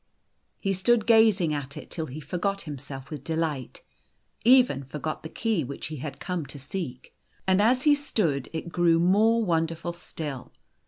He stood gazing at it till he forgot himself with de light even forgot the key which he had come to seek. And as he stood it grew more wonderful still.